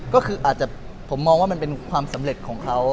ก็คืออาจจะผมมองว่ามันเป็นความสำเร็จของเขา